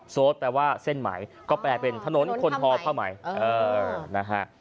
โซดแปลว่าเส้นใหม่ก็แปลเป็นถนนคนทอผ้าไหมเออนะฮะ